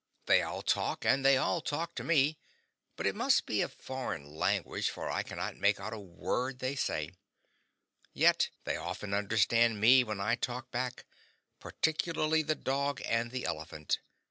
They all talk, and they all talk to me, but it must be a foreign language, for I cannot make out a word they say; yet they often understand me when I talk back, particularly the dog and the elephant.